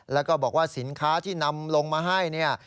แล้วก็บอกว่าสินค้าที่นำลงมาให้เนี่ย